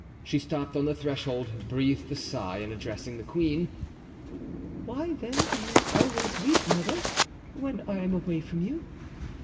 She stopped on the threshold, breathed a sigh, and addressing the queen: "Why, then, do you always weep, mother, when I am away from you?"